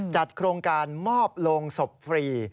จัดโครงการมอบโรงศพฟรี